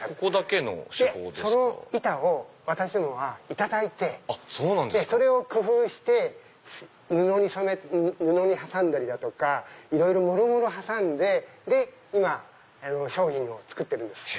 いえその板を私どもは頂いてそれを工夫して布に挟んだりだとかいろいろもろもろ挟んで今商品を作ってるんです。